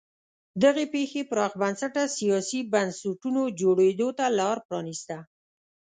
دغې پېښې پراخ بنسټه سیاسي بنسټونو جوړېدو ته لار پرانیسته.